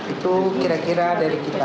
itu kira kira dari kita